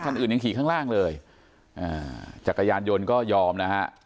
อื่นยังขี่ข้างล่างเลยอ่าจักรยานยนต์ก็ยอมนะฮะ